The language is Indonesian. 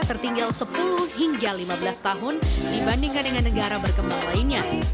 tertinggal sepuluh hingga lima belas tahun dibandingkan dengan negara berkembang lainnya